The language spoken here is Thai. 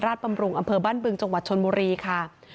บำรุงอำเภอบ้านบึงจังหวัดชนบุรีค่ะ